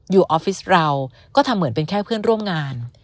ออฟฟิศเราก็ทำเหมือนเป็นแค่เพื่อนร่วมงาน